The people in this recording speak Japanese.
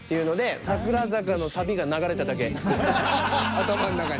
頭ん中に。